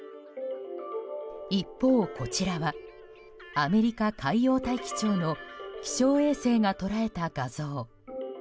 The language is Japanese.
一方、こちらはアメリカ海洋大気庁の気象衛星が捉えた画像。